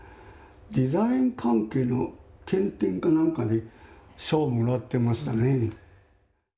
デザイン関係の県展か何かで賞をもらってましたねえ。